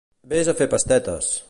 Ves a fer pastetes!